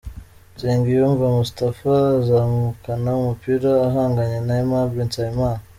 Nsengiyumva Moustapha azamukana umupira ahanganye na Aimable Nsabimana.